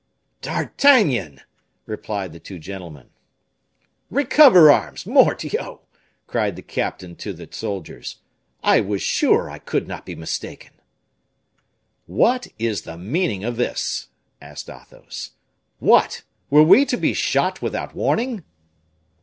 "D'Artagnan!" replied the two gentlemen. "Recover arms! Mordioux!" cried the captain to the soldiers. "I was sure I could not be mistaken!" "What is the meaning of this?" asked Athos. "What! were we to be shot without warning?"